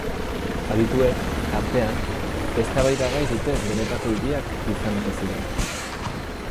Adituek, artean, eztabaidagai dute benetako hiriak izan ote ziren.